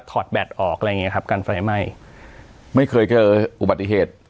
แบตออกอะไรอย่างเงี้ครับการไฟไหม้ไม่เคยเจออุบัติเหตุ